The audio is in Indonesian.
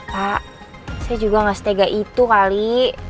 pak saya juga gak setega itu kali